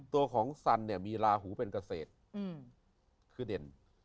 ตัวของซันมีราหูเป็นเกษตรคือเด่น